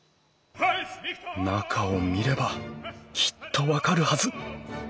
中を見ればきっと分かるはず。